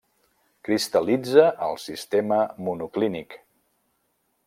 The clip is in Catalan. Cristal·litza al sistema monoclínic.